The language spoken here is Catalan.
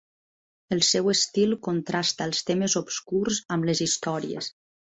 El seu estil contrasta els temes obscurs amb les històries.